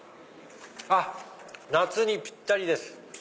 夏にぴったりです。